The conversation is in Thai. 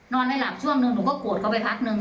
ไม่หลับช่วงนึงหนูก็โกรธเขาไปพักนึง